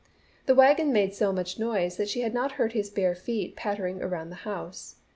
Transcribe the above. The wagon made so much noise that she had not heard his bare feet pattering around the house.